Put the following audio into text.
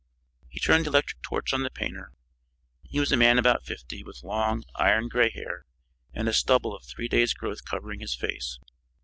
He turned the electric torch on the painter. He was a man about fifty, with long, iron gray hair, and a stubble of three days' growth covering his face.